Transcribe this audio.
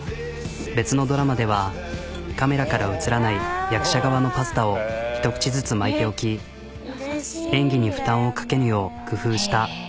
別のドラマではカメラから映らない役者側のパスタをひと口ずつ巻いておき演技に負担をかけぬよう工夫した。